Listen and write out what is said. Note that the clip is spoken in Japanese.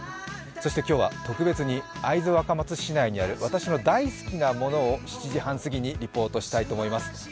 そして今日は、特別に会津若松市内にある、私の大好きなものを７時半すぎにリポートしたいと思います。